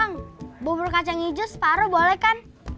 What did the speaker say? bang bubur kacang hijau separoh boleh kan